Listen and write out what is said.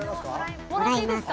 もらっていいですか？